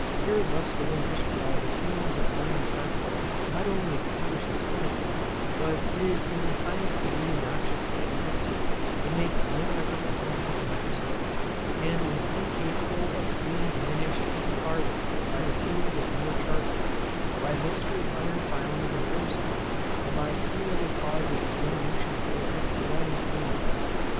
Air thus diminished by the fumes of burning charcoal not only extinguishes flame, but is in the highest degree noxious to animals; it makes no effervescence with nitrous air, and is incapable of being diminished any farther by the fumes of more charcoal, by a mixture of iron filings and brimstone, or by any other cause of the diminution of air that I am acquainted with.